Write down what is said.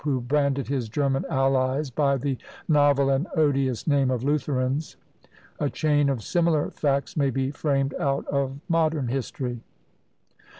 who branded his German allies by the novel and odious name of Lutherans. A chain of similar facts may be framed out of modern history.